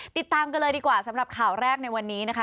ติดตามกันเลยดีกว่าสำหรับข่าวแรกในวันนี้นะคะ